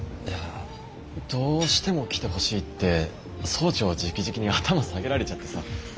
いやどうしても来てほしいって総長じきじきに頭下げられちゃってさ。